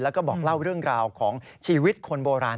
แล้วก็บอกเล่าเรื่องราวของชีวิตคนโบราณ